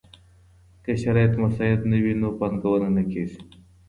که شرايط مساعد نه وي نو پانګونه نه کيږي.